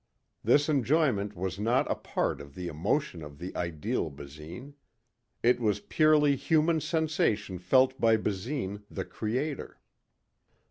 This enjoyment was not a part of the emotion of the ideal Basine. It was a purely human sensation felt by Basine, the creator.